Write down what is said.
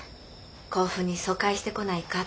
甲府に疎開してこないかって。